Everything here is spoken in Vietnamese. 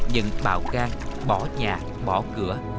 những bạo gan bỏ nhà bỏ cửa